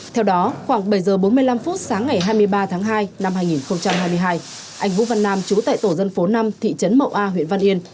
theo đó khoảng bảy h bốn mươi năm phút sáng ngày hai mươi ba tháng hai năm hai nghìn hai mươi hai anh vũ văn nam chú tại tổ dân phố năm thị trấn mậu a huyện văn yên